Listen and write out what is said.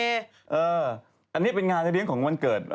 เอออันนี้เป็นงานหลายเรือนของวรรณเกิด